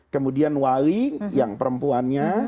kemudian wali yang perempuannya